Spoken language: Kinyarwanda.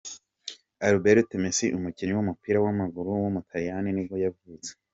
Alberto Massi, umukinnyi w’umupira w’amaguru w’umutaliyani nibwo yavutse.